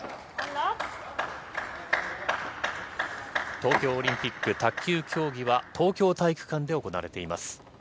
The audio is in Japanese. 東京オリンピック卓球競技は東京体育館で行われております。